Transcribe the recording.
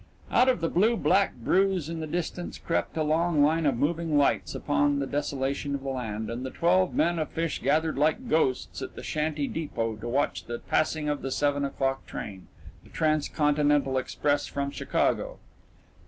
Out of the blue black bruise in the distance crept a long line of moving lights upon the desolation of the land, and the twelve men of Fish gathered like ghosts at the shanty depot to watch the passing of the seven o'clock train, the Transcontinental Express from Chicago.